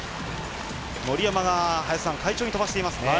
森山が快調に飛ばしていますね。